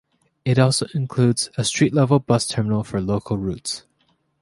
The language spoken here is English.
It also includes a street-level bus terminal for local routes.